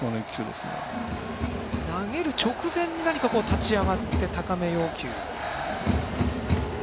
投げる直前に何か立ち上がって高め要求。